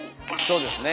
そうですね。